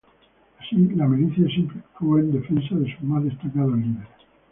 Así, la Milicia siempre actuó en defensa de sus más destacados líderes.